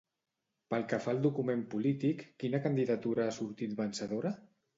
Pel que fa al document polític quina candidatura ha sortit vencedora?